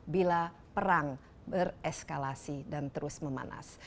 bila perang bereskalasi dan terus memanas